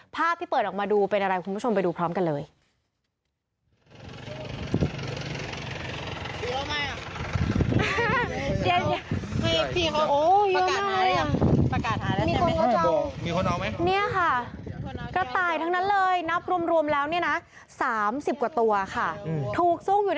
ภาพที่เปิดออกมาดูเป็นอะไรคุณผู้ชมไปดูพร้อมกันเลย